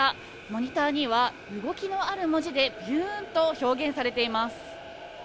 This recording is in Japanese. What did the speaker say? モニターには、動きのある文字で、ビュウウウウウウンと表現されています。